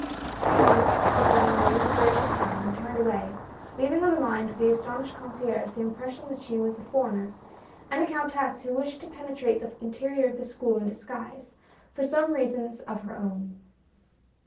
"Thank you," said Bonne Marie with a gracious bow and turned away, leaving on the mind of the astonished concierge the impression that she was a foreigner and a countess who wished to penetrate the interior of the school in disguise, for some reasons of her own.